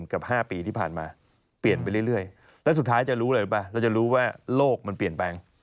กับ๕ปีที่ผ่านมาเปลี่ยนไปเรื่อย